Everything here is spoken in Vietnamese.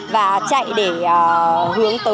và chạy để hướng tới